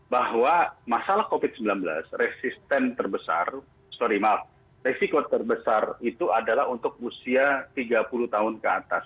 bahwa masalah covid sembilan belas resisten terbesar sorry maaf resiko terbesar itu adalah untuk usia tiga puluh tahun ke atas